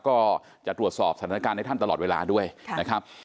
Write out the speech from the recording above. ก็จะตรวจสอบสถานการณ์ให้ท่านตลอดเวลาด้วยนะครับ